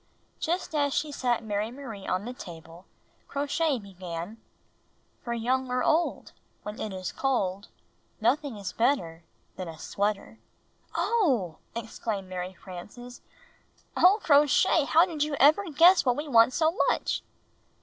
Just as she sat Mary Marie on the table. Crow Shay began : "For young or old, A\Tien it is cold. Nothing is better Than a sweater." ^y " Oh !" exclaimed Mary Frances. " Oh, Crow Shay, how did you ever guess what we want so much?